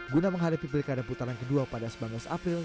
guna menghadapi berkada putaran kedua pada sebangun april